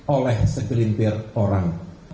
oleh segelintir orang